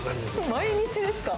毎日ですか？